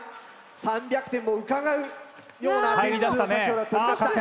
３００点もうかがうような点数を先ほど取りました。